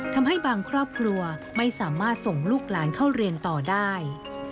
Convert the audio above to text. ทำให้บางครอบครัวไม่สามารถส่งลูกหลานเข้าเรียนต่อได้